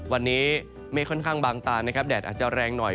วันนี้เมฆค่อนข้างบางตานะครับแดดอาจจะแรงหน่อย